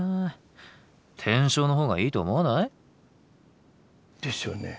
天正のほうがいいと思わない？ですよね。